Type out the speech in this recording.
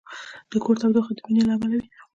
د کور تودوخه د مینې له امله وي.